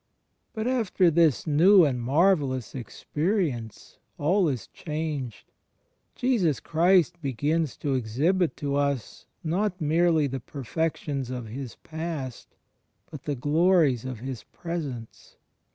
But after this new and marvellous experi ence, all is changed. Jesus Christ begins to exhibit to us not merely the perfections of His past, but the glories of His presence.